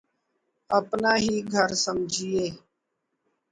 اپنا ہی گھر سمجھیے